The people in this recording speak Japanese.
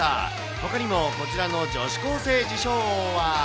ほかにもこちらの女子高生自称王は。